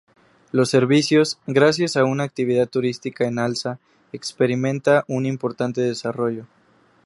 Los servicios, gracias a una actividad turística en alza, experimenta un importante desarrollo.